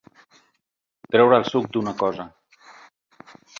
Treure el suc d'una cosa.